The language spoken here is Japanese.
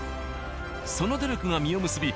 その努力が実を結び